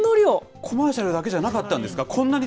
コマーシャルだけじゃないんですか？